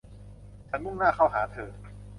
ฉันมุ่งหน้าเข้าหาเธอ